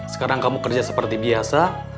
sekarang kamu kerja seperti biasa